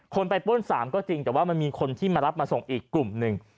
คนไปป้น๓ก็จริงแต่ว่ามันมีคนที่มารับมาส่งอีกกลุ่มหนึ่ง